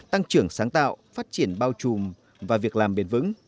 tăng trưởng sáng tạo phát triển bao trùm và việc làm bền vững